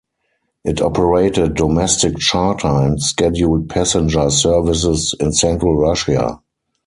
It operated domestic charter and scheduled passenger services in central Russia.